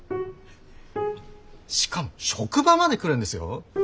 しかも職場まで来るんですよ？